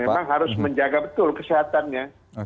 memang harus menjaga betul kesehatannya